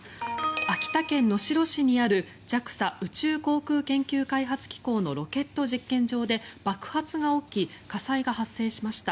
秋田県能代市にあるＪＡＸＡ・宇宙航空研究開発機構のロケット実験場で爆発が起き火災が発生しました。